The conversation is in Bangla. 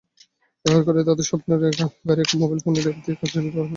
ব্যবহারকারীরা তাদের স্বপ্নের গাড়ি এখন মোবাইল ফোনের অ্যাপ দিয়ে খুঁজে নিতে পারবেন।